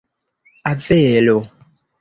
Avelo?